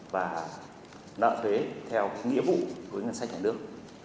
và nợ thuế theo nghĩa vụ của ngân sách nhà nước